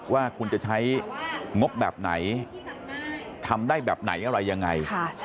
ว่าคุณจะใช้งบแบบไหนทำได้แบบไหนอะไรยังไง